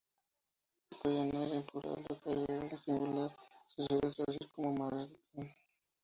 Iakotiiá:ner, en plural, o Iakoiá:ner, en singular, se suele traducir como madres del clan.